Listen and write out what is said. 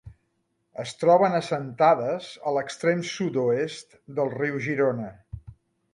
Es troben assentades a l'extrem Sud-oest del riu Girona.